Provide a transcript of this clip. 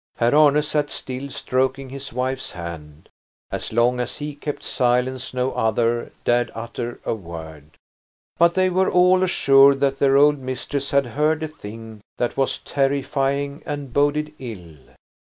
Herr Arne sat still, stroking his wife's hand. As long as he kept silence no other dared utter a word. But they were all assured that their old mistress had heard a thing that was terrifying and boded ill.